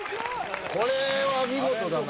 これは見事だな。